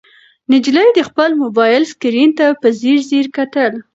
نجلۍ د خپل موبایل سکرین ته په ځیر ځیر کتل.